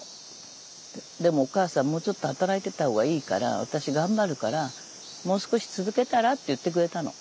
でも「お母さんもうちょっと働いてた方がいいから私頑張るからもう少し続けたら？」って言ってくれたの。